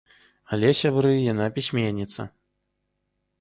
Але, сябры, яна пісьменніца!